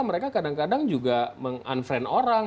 mereka kadang kadang juga meng unfrine orang